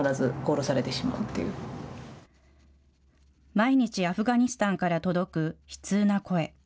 毎日アフガニスタンから届く悲痛な声。